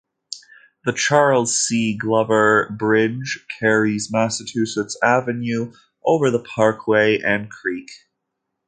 The Charles C. Glover Bridge carries Massachusetts Avenue over the parkway and creek.